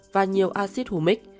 và nhiều acid humic